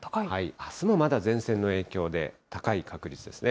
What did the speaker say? あすもまだ前線の影響で、高い確率ですね。